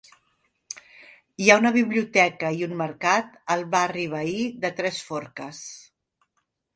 Hi ha una biblioteca i un mercat al barri veí de Tres Forques.